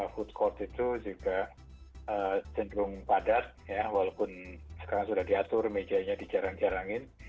food court itu juga cenderung padat ya walaupun sekarang sudah diatur mejanya dijarang jarangin